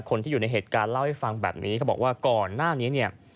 คนที่อยู่ในเหตุการณ์เล่าให้ฟังแบบนี้เขาบอกว่าก่อนหน้านี้เนี่ย